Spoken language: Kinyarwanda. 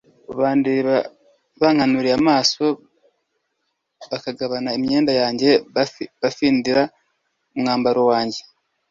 bandeba bankanuriye amaso. Bagabana imyenda yanjye, bafindira umwambaro wanjye.